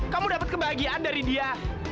kamu dapat kebahagiaan dari dia